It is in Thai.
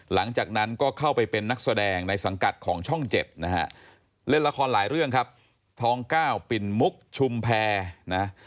หลังจากนั้นก็เข้าไปเป็นนักแสดงในสังกัดของช่อง๗นะฮะเล่นละครหลายเรื่องครับท้อง๙ปิ่นมุกชุมแพรนะ